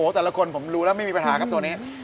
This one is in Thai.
แต่ละคนผมรู้แล้วไม่มีปัญหาครับตัวนี้